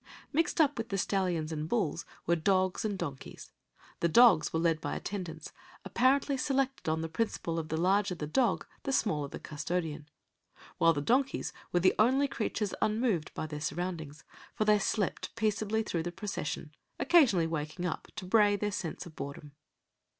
Mixed up with the stallions and bulls were dogs and donkeys. The dogs were led by attendants, apparently selected on the principle of the larger the dog the smaller the custodian; while the donkeys were the only creatures unmoved by their surroundings, for they slept peaceably through the procession, occasionally waking up to bray their sense of boredom.